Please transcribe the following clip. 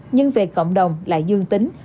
nhưng về cộng đồng lại dương tính